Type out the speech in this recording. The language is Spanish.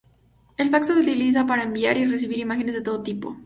El fax se utiliza para enviar y recibir imágenes de todo tipo.